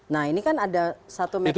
nah ini kan ada satu media